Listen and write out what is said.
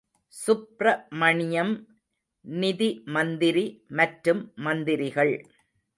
சுப்ரமணியம் நிதி மந்திரி மற்றும் மந்திரிகள்.